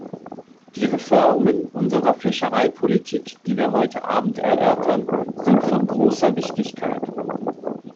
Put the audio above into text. Die Reformen unserer Fischereipolitik, die wir heute Abend erörtern, sind von großer Wichtigkeit.